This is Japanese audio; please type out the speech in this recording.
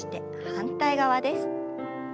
反対側です。